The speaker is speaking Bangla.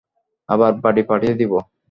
আবার বাড়ি পাঠিয়ে দিবো?